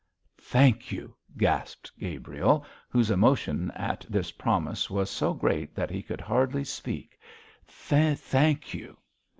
'Thank you!' gasped Gabriel, whose emotion at this promise was so great that he could hardly speak, 'thank you!'